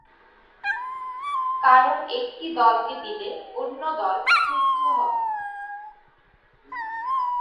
কারণ একটি দলকে দিলে অন্য দল ক্রুদ্ধ হবে।